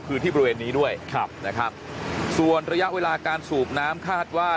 คือที่บริเวณนี้ด้วยครับนะครับส่วนระยะเวลาการสูบน้ำคาดว่า